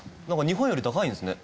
日本より高いんですね。